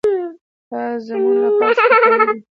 دازموږ لپاره سپکاوی دی .